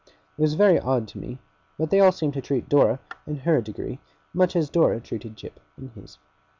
It was very odd to me; but they all seemed to treat Dora, in her degree, much as Dora treated Jip in his.